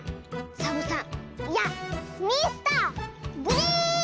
サボさんいやミスターグリーン！